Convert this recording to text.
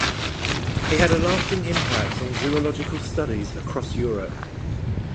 He had a lasting impact on zoological studies across Europe.